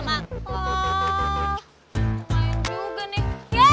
main juga nih